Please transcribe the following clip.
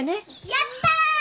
やった！